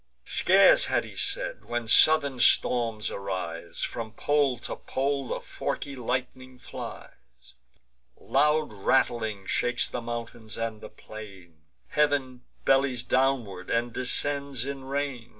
Scarce had he said, when southern storms arise: From pole to pole the forky lightning flies; Loud rattling shakes the mountains and the plain; Heav'n bellies downward, and descends in rain.